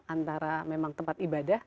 antara memang tempat ibadah